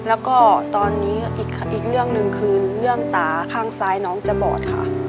แล้วก็ตอนนี้อีกเรื่องหนึ่งคือเรื่องตาข้างซ้ายน้องจะบอดค่ะ